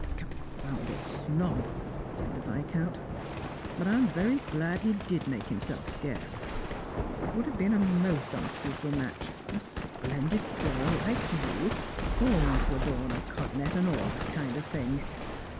" Confounded snob !" said the Yiscount ;" but I'm very glad be did make himself scarce. It would have been a most un« euitable match: a splendid girl hke you, born to adorn a coronet and all that kind of thing.